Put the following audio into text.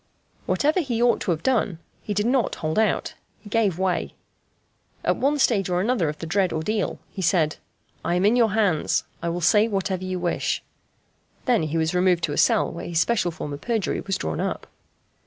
Whatever he ought to have done, he did not hold out he gave way. At one stage or another of the dread ordeal he said: "I am in your hands. I will say whatever you wish." Then was he removed to a cell while his special form of perjury was drawn up.